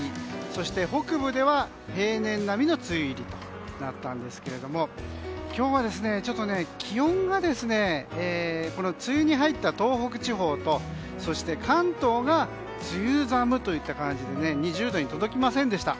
そして北部では平年並みの梅雨入りとなったんですけど今日は、気温が梅雨に入った東北地方と関東が梅雨寒といった感じで２０度に届きませんでした。